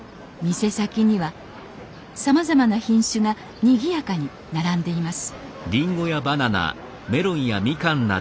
店先にはさまざまな品種がにぎやかに並んでいます